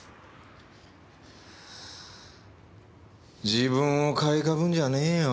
自分を買い被んじゃねぇよ。